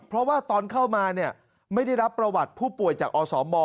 เพราะว่าตอนเข้ามาไม่ได้รับประวัติผู้ป่วยจากอสม